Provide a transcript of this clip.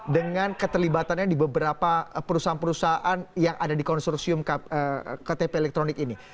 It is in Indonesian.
dengan keterlibatannya di beberapa perusahaan perusahaan yang ada di konsorsium ktp elektronik ini